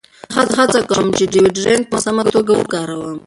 زه هڅه کوم چې ډیوډرنټ په سمه توګه وکاروم.